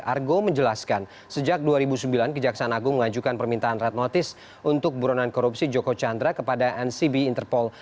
argo menjelaskan sejak dua ribu sembilan kejaksaan agung mengajukan permintaan red notice untuk buronan korupsi joko chandra kepada ncb interpol